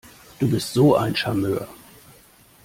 Du bist so ein Charmeur!